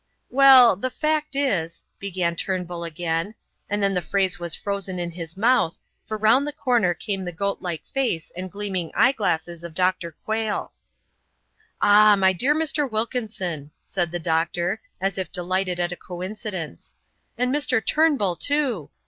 "Well, the fact is " began Turnbull again, and then the phrase was frozen on his mouth, for round the corner came the goatlike face and gleaming eye glasses of Dr. Quayle. "Ah, my dear Mr. Wilkinson," said the doctor, as if delighted at a coincidence; "and Mr. Turnbull, too.